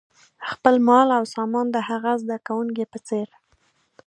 خپل مال او سامان د هغه زده کوونکي په څېر.